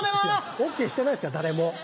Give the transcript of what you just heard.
ＯＫしてないですから誰も。